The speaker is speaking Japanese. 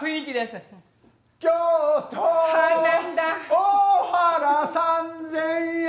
「」「大原３，０００円」